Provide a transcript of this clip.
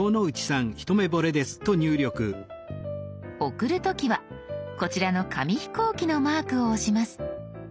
送る時はこちらの紙飛行機のマークを押します。